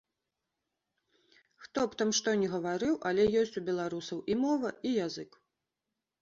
Хто б там што ні гаварыў, але ёсць у беларусаў і мова, і язык.